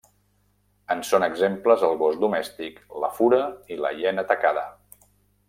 En són exemples el gos domèstic, la fura i la hiena tacada.